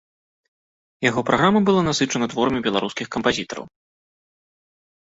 Яго праграма была насычана творамі беларускіх кампазітараў.